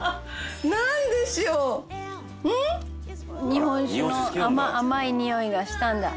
「日本酒の甘いにおいがしたんだ」